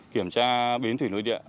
kiểm tra bến thủy nội địa